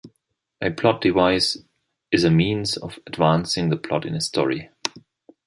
A plot device is a means of advancing the plot in a story.